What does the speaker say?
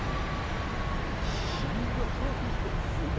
広いですね。